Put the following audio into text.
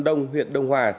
đông huyện đông hòa